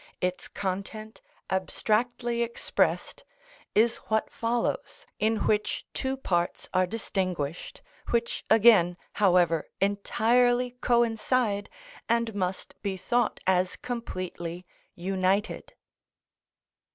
_, its content, abstractly expressed, is what follows, in which two parts are distinguished, which again, however, entirely coincide, and must be thought as completely united.